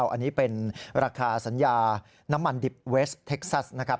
อันนี้เป็นราคาสัญญาน้ำมันดิบเวสเท็กซัสนะครับ